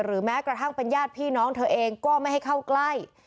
แม้กระทั่งเป็นญาติพี่น้องเธอเองก็ไม่ให้เข้าใกล้